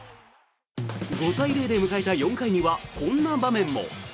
５対０で迎えた４回にはこんな場面も。